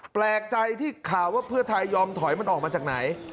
แปลกใจที่ข่าวว่าเพื่อไทยยอมถอยมันออกมาจากไหน